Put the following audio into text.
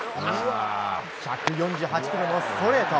１４８キロのストレート！